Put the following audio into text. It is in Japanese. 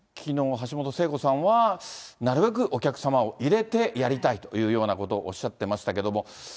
橋本聖子さんは、なるべくお客様を入れてやりたいというようなことをおっしゃってましたけれども。